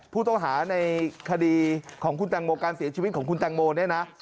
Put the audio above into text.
ผู้ต้องหาในคดีของคุณแตงโมการเสียชีวิตของคุณแตงโมเนี่ยนะ